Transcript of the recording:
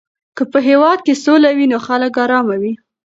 که په هېواد کې سوله وي نو خلک آرامه وي.